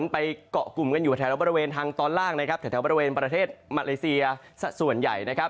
ไปเกาะกลุ่มกันอยู่แถวบริเวณทางตอนล่างนะครับแถวบริเวณประเทศมาเลเซียส่วนใหญ่นะครับ